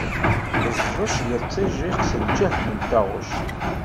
Ẓdec yettijiq s lǧahd n taɣect.